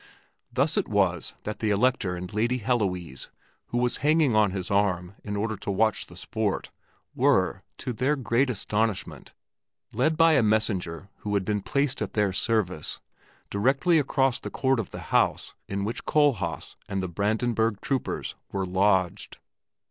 Thus it was that the Elector and Lady Heloise, who was hanging on his arm in order to watch the sport, were, to their great astonishment, led by a messenger who had been placed at their service, directly across the court of the house in which Kohlhaas and the Brandenburg troopers were lodged.